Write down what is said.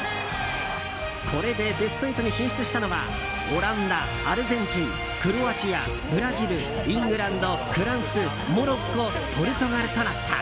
これでベスト８に進出したのはオランダ、アルゼンチンクロアチア、ブラジルイングランド、フランスモロッコ、ポルトガルとなった。